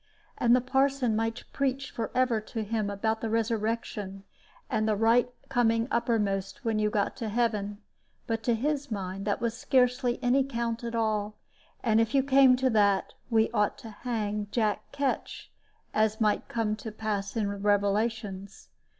And the parson might preach forever to him about the resurrection, and the right coming uppermost when you got to heaven, but to his mind that was scarcely any count at all; and if you came to that, we ought to hang Jack Ketch, as might come to pass in the Revelations.